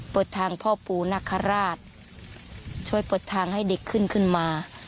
เปิดทางพ่อปู่นคราชช่วยเปิดทางให้เด็กขึ้นขึ้นมา